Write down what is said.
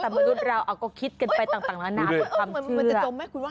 แต่มนุษย์เราก็คิดกันไปต่างแล้วน้ำทำเชื่อมันจะจมไหมคุณว่า